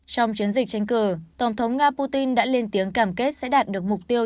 trong chiến dịch tranh cử tổng thống nga putin đã lên tiếng cảm kết sẽ đạt được mục tiêu